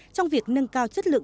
trong việc nâng cao chất lượng